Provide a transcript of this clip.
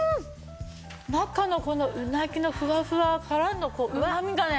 中のこのうなぎのふわふわからのうまみがね